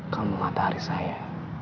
kamu matahari saya